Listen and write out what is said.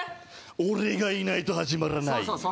俺がいないと始まらないそうそう